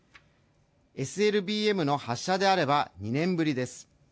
ＳＬＢＭの発射であれば２年ぶりです